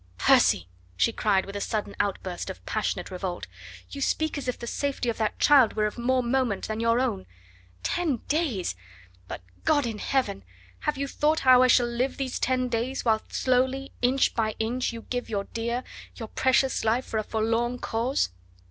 "Percy!" she cried with a sudden outburst of passionate revolt, "you speak as if the safety of that child were of more moment than your own. Ten days! but, God in Heaven! have you thought how I shall live these ten days, whilst slowly, inch by inch, you give your dear, your precious life for a forlorn cause?